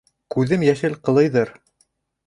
Күҙем йәшел ҡылыйҙыр.